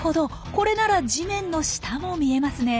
これなら地面の下も見えますね。